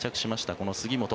この杉本。